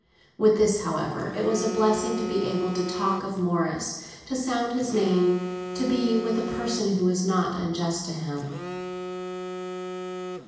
With this, however, it was a blessing to be able to talk of Morris, to sound his name, to be with a person who was not unjust to him.